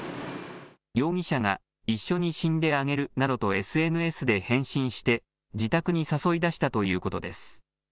容疑者が一緒に死んであげるなどとＳＮＳで返信して自宅に誘い出したということです。